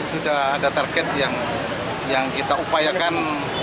sudah ada target yang kita upayakan